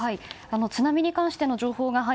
津波に関しての情報です。